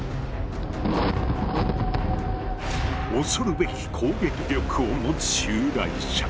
恐るべき攻撃力を持つ襲来者。